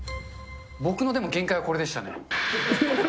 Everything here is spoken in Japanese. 僕の、でも限界はこれでしたね。